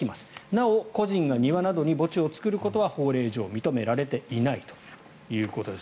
なお、個人が庭などに墓地を作ることは法令上、認められていないということです。